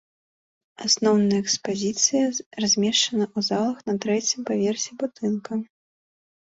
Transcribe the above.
Асноўная экспазіцыя размешчана ў залах на трэцім паверсе будынка.